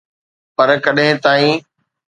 پر، ڪڏهن تائين؟